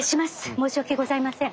申し訳ございません。